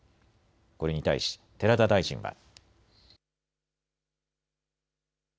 これに対し寺田大臣は。